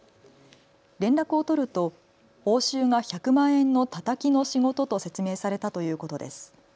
連絡を取ると報酬が１００万円のタタキの仕事と説明されたということです。